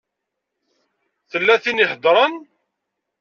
Tella tin i iheddṛen.